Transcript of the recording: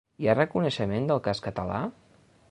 Hi ha un reconeixement del cas català?